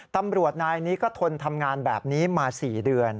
ตำรวจนายนี้ก็ทนทำงานแบบนี้มา๔เดือน